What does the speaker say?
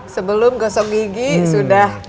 sebelum gosok gigi sudah